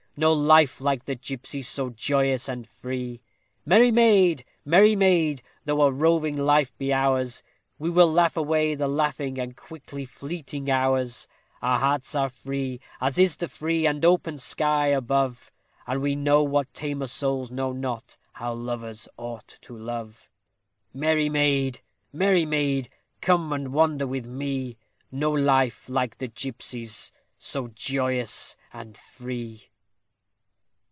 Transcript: No life like the gipsy's, so joyous and free!_ Merry maid, merry maid, though a roving life be ours, We will laugh away the laughing and quickly fleeting hours; Our hearts are free, as is the free and open sky above, And we know what tamer souls know not, how lovers ought to love. _Merry maid, merry maid, come and wander with me! No life like the gipsy's so joyous and free!